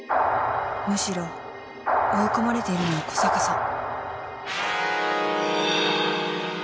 むしろ追い込まれているのは小坂さん